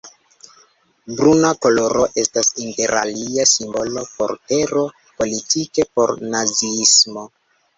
Bruna koloro estas interalie simbolo por tero; politike por naziismo.